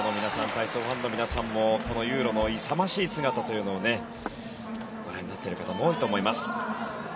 体操ファンの皆さんもこのユーロの勇ましい姿というのをご覧になっている方も多いと思います。